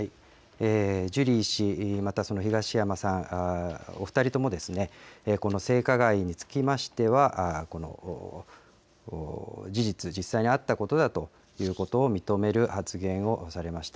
ジュリー氏、またその東山さん、お２人ともですね、この性加害につきましては、事実、実際にあったことだと認める発言をされました。